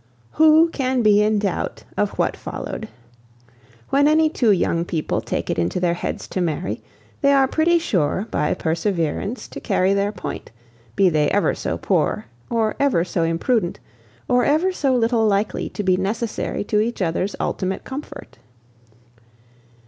Who can be in doubt of what followed? When any two young people take it into their heads to marry, they are pretty sure by perseverance to carry their point, be they ever so poor, or ever so imprudent, or ever so little likely to be necessary to each other's ultimate comfort.